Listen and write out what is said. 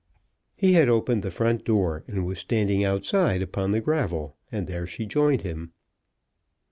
He had opened the front door, and was standing outside upon the gravel, and there she joined him.